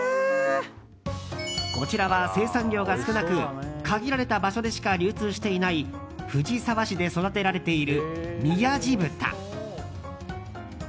こちらは生産量が少なく限られた場所でしか流通していない藤沢市で育てられているみやじ豚。